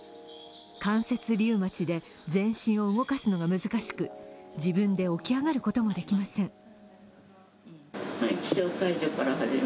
関節リウマチで全身を動かすのが難しく自分で起き上がることもできません。